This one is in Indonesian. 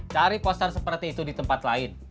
cari poster seperti itu di tempat lain